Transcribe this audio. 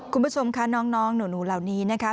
คุณผู้ชมค่ะน้องหนูเหล่านี้นะคะ